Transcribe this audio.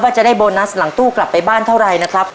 จะได้โบนัสหลังตู้กลับไปบ้านเท่าไรนะครับ